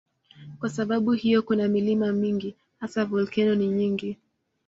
Kwa sababu hiyo kuna milima mingi, hasa volkeno ni nyingi.